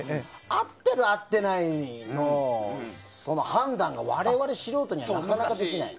合ってる合ってないの判断が我々素人には、なかなかできない。